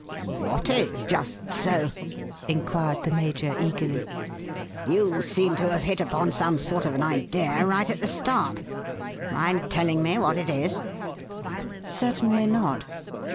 "What is 'just so'?" inquired the major eagerly. "You seem to have hit upon some sort of an idea right at the start. Mind telling me what it is?" "Certainly not.